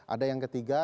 ada yang ketiga